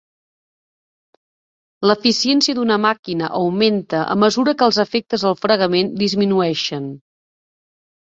L'eficiència d'una màquina augmenta a mesura que els efectes del fregament disminueixen.